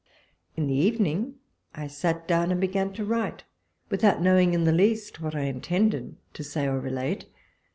In the evening, I sat down, and began to write, without knowing in the least what I intended to say or relate.